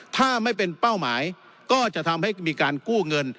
ถ้าไม่เป็นเป้าหมายก็จะทำให้มีการกู้เงิน